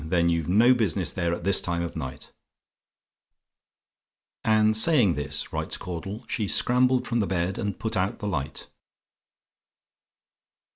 Then you've no business there at this time of night." "And saying this," writes Caudle, "she scrambled from the bed and put out the night."